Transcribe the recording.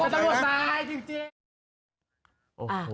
ตำรวจสายจริง